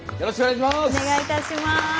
お願いいたします。